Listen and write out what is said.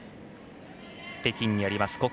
北京にあります